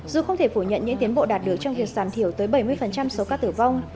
dù không thể phủ nhận những tiến bộ đạt được trong việc giảm thiểu tới bảy mươi số ca tử vong